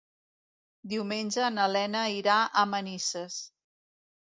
Diumenge na Lena irà a Manises.